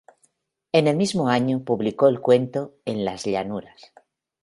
En el mismo año, publicó el cuento ""En las llanuras"".